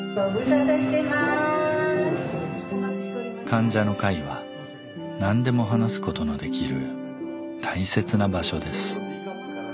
患者の会は何でも話すことのできる大切な場所です。